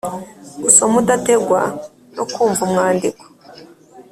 gusoma udategwa no kumva umwandiko